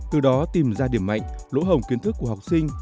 từ đó tìm ra điểm mạnh lỗ hồng kiến thức của học sinh